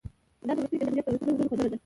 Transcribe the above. دا د وروستي جمهوریت د وروستیو ورځو خبره ده.